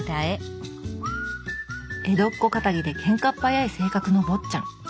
江戸っ子かたぎでけんかっ早い性格の坊っちゃん。